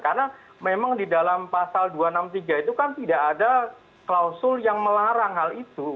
karena memang di dalam pasal dua ratus enam puluh tiga itu kan tidak ada klausul yang melarang hal itu